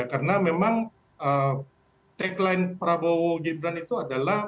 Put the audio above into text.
karena memang tagline prabowo gibran itu adalah